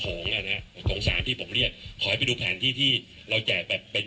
อ่ะนะโถงสามที่ผมเรียกขอให้ไปดูแผนที่ที่เราแจกแบบเป็น